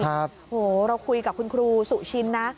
โอ้โหเราคุยกับคุณครูสุชินนะ